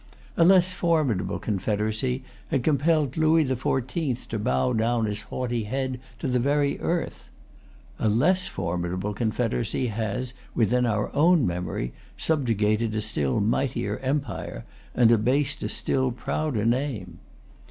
A less formidable confederacy had compelled Louis the Fourteenth to bow down his haughty head to the very earth. A less formidable confederacy has, within our own memory, subjugated a still mightier empire, and abased a still[Pg 300] prouder name.